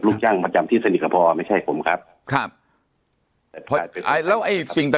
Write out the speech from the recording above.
ลูกจ้างประจำที่กับพอมันไม่ใช่ผมครับครับแล้วไอเสียง